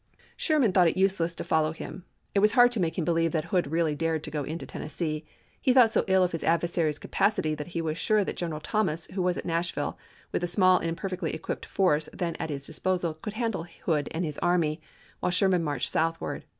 Sherman thought it useless to follow him. It was hard to make him believe that Hood really dared to go into Tennessee. He thought so ill of his adversary's capacity that he was sure that General Thomas, who was at Nashville, with the small and imperfectly equipped force then at his disposal, could handle Hood and his army, while Sherman marched southward.